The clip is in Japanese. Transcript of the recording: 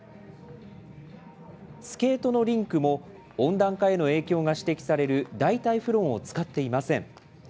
スケートのリンクも、温暖化への影響が指摘される代替フロンを使っていません。